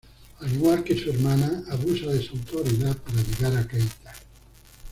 Al igual que su hermana, abusa de su autoridad para llegar a Keita.